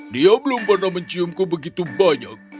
dia belum pernah menciumku begitu banyak